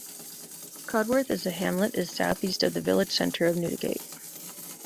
Cudworth is a hamlet is southeast of the village centre of Newdigate.